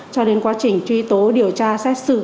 cho đến quá trình truy tố điều tra xét xử